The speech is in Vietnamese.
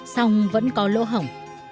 song vẫn có lỗ hỏng